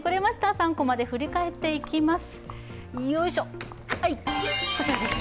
「３コマ」で振り返っていきます。